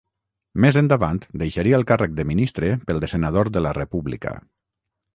Més endavant, deixaria el càrrec de ministre pel de senador de la República.